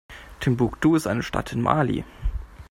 Timbuktu ist eine Stadt in Mali.